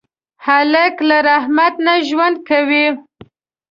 هلک له رحمت نه ژوند کوي.